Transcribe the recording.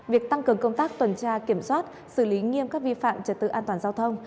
việc tăng cường công tác tuần tra kiểm soát xử lý nghiêm các vi phạm trật tự an toàn giao thông